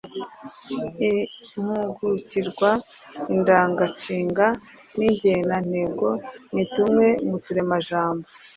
Impugukirwa: Indanganshinga n’ingenantego ni tumwe mu turemajambo